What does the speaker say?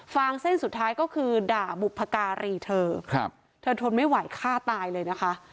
งเส้นสุดท้ายก็คือด่าบุพการีเธอครับเธอเธอทนไม่ไหวฆ่าตายเลยนะคะ